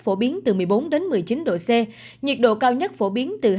phổ biến từ một mươi bốn một mươi chín độ c nhiệt độ cao nhất phổ biến từ hai mươi một hai mươi bốn độ c